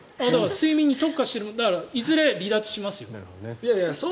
睡眠に特化してるいずれ離脱しますよ。